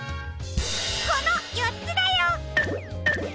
このよっつだよ！